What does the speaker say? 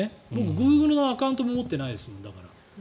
グーグルのアカウントも持ってないですから。